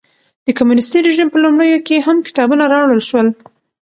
د کمونېستي رژیم په لومړیو کې هم کتابونه راوړل شول.